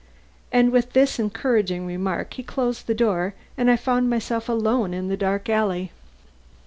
And with this encouraging remark he closed the door and I found myself alone in the dark alley.